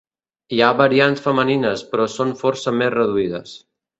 Hi ha variants femenines però són força més reduïdes.